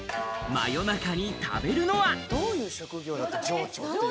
真夜中に食べるのは？